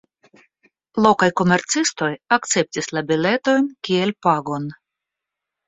Lokaj komercistoj akceptis la biletojn kiel pagon.